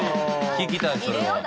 聞きたいそれは。